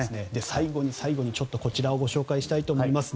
最後の最後に、こちらをご紹介したいと思います。